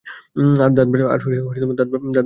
আর দাঁত ব্রাশ করতে ভুলো না।